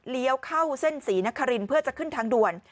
เลี้ยวเข้าเส้นศรีนคารินเพื่อจะขึ้นทางด่วน